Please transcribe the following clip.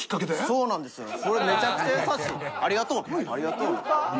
そうなんですね。